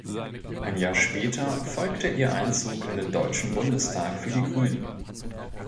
Ein Jahr später folgte ihr Einzug in den Deutschen Bundestag für die Grünen.